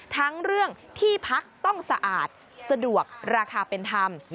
ทั้งเรื่องที่พักต้องสะอาดสะดวกราคาเป็นธรรม